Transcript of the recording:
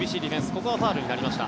ここはファウルになりました。